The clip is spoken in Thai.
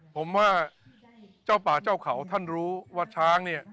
ผมว่าเจ้าป่าเจ้าเขาท่านรู้ว่าช้างเนี่ย